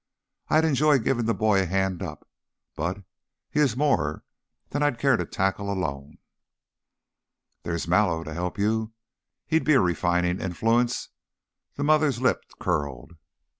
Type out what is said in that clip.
I'd enjoy giving the boy a hand up, but he is more than I'd care to tackle alone." "There's Mallow to help you. He'd be a refining influence." The mother's lip curled.